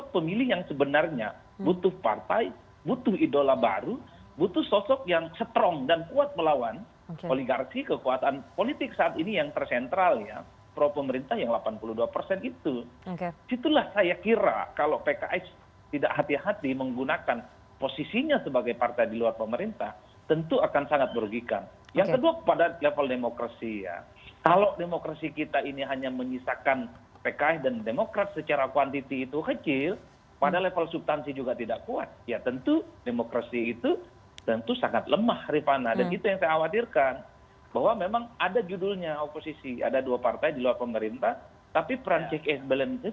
pendidikan politik yang baik tidak harus dengan bersikupu